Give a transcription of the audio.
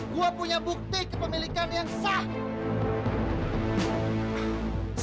gue punya bukti kepemilikan yang sah